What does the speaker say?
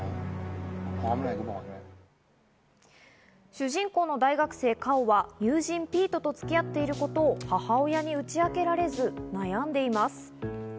主人公の大学生・カオは友人・ピートと付き合っていることを母親に打ち明けられず悩んでいます。